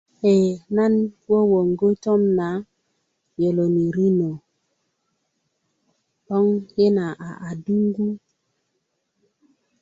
ye nan wowogu tom na woloni riná 'boŋ i na a a dugu